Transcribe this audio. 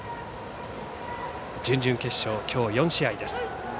準々決勝、きょう４試合です。